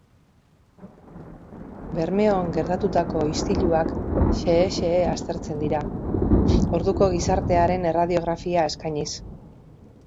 Bermeon gertatutako istiluak xehe-xehe aztertzen dira, orduko gizartearen erradiografia eskainiz.